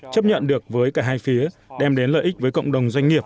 chấp nhận được với cả hai phía đem đến lợi ích với cộng đồng doanh nghiệp